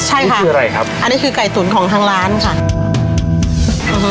ใช่ค่ะอันนี้คือไก่ตุ๋นของทางร้านค่ะ